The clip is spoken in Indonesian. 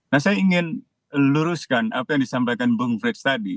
nah saya ingin luruskan apa yang disampaikan bung frits tadi